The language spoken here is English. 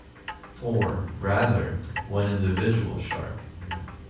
Or, rather, one individual shark.